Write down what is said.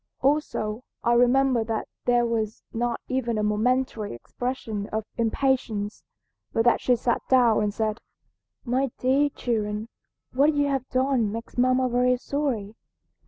"Also I remember that there was not even a momentary expression of impatience, but that she sat down and said, 'My dear children, what you have done makes mamma very sorry.